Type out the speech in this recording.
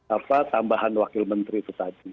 apa tambahan wakil menteri itu tadi